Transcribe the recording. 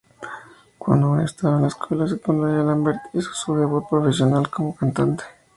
Cuando aún estaba en la escuela secundaria, Lambert hizo su debut profesional como cantante.